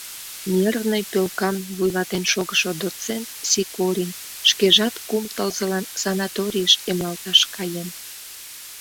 Нервный пӧлкам вуйлатен шогышо доцент Сикорин шкежат кум тылзылан санаторийыш эмлалташ каен.